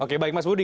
oke baik mas budi